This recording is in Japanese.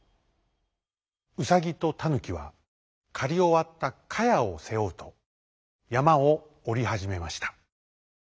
ウサギとタヌキはかりおわったかやをせおうとやまをおりはじめました。